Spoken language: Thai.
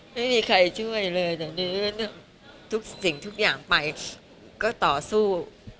ไม่มีใครช่วยเลยเดี๋ยวนี้ทุกสิ่งทุกอย่างไปก็ต่อสู้